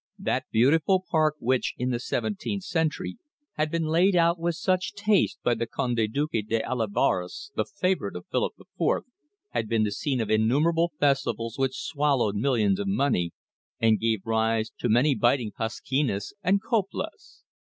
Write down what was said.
That beautiful park which, in the seventeenth century, had been laid out with such taste by the Conde Duque de Olivares, the favourite of Philip IV, had been the scene of innumerable festivals which swallowed millions of money, and gave rise to many biting "pasquinas" and "coplas."